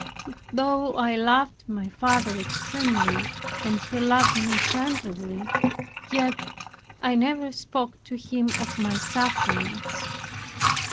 Though I loved my father extremely, and he loved me tenderly, yet I never spoke to him of my sufferings.